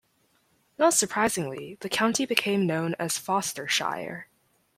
Not surprisingly the county became known as 'Fostershire'.